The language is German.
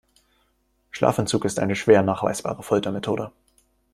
Schlafentzug ist eine schwer nachweisbare Foltermethode.